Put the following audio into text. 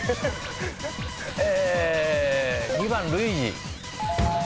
２番ルイージ。